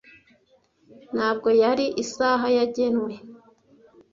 'Ntabwo yari isaha yagenwe.